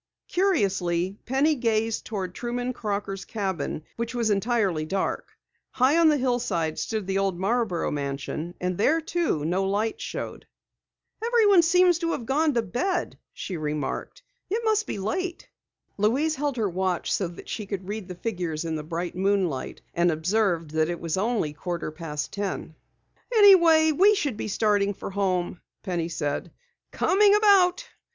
Curiously, Penny gazed toward Truman Crocker's cabin which was entirely dark. High on the hillside stood the old Marborough mansion and there, too, no lights showed. "Everyone seems to have gone to bed," she remarked. "It must be late." Louise held her watch so that she could read the figures in the bright moonlight and observed that it was only a quarter past ten. "Anyway, we should be starting for home," Penny said. "Coming about!"